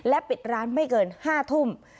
ปิดร้านไม่เกิน๕ทุ่ม